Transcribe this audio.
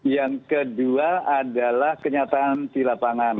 yang kedua adalah kenyataan di lapangan